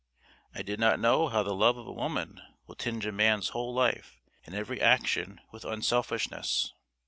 I did not know how the love of a woman will tinge a man's whole life and every action with unselfishness.